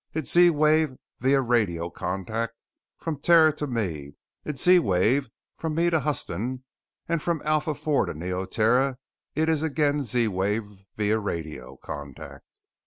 It's Z wave via radio contact from Terra to me. It's Z wave from me to Huston; and from Alpha IV to Neoterra it is again Z wave via radio contact.